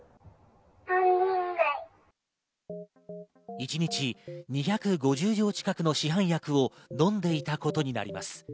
１日２５０錠近くの市販薬をのんでいたことになります。